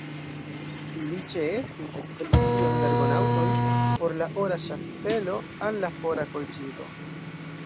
Li ĉeestis ekspedicion de Argonaŭtoj por la ora ŝaffelo al la fora Kolĉido.